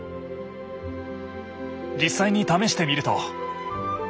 実際に試してみると。